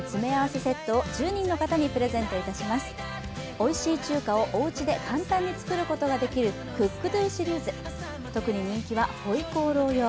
おいしい中華をおうちで簡単に作ることができるＣｏｏｋＤｏシリーズ特に人気は回鍋肉用。